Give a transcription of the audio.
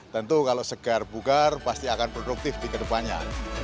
tentu kalau segar bugar pasti akan produktif di kedepannya